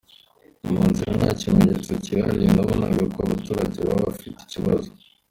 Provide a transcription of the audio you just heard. Mu nzira nta kimenyetso kihariye nabonaga ko abaturage baba bafite ikibazo.